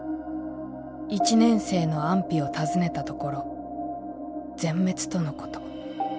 １年生の安否を尋ねたところ全滅とのこと。